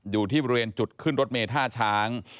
อยู่ที่บริเวณจุดขึ้นรถเมย์ท่าช้าง